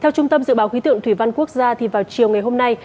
theo trung tâm dự báo khí tượng thủy văn quốc gia thì vào chiều ngày hôm nay